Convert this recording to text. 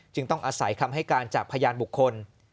ต้องอาศัยคำให้การจากพยานบุคคล